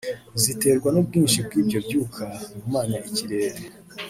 ziterwa n’ubwinshi bw’ibyo byuka bihumanya ikirere